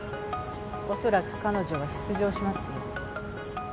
おそらく彼女は出場しますよ。